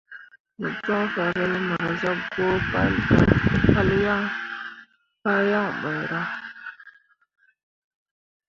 Me joŋ farel mor zah gwǝǝ pah yaŋ ɓe ra.